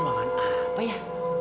ini ruangan apa ya